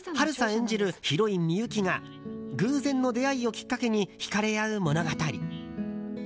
演じるヒロインみゆきが偶然の出会いをきっかけに引かれ合う物語。